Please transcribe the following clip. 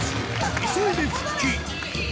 急いで復帰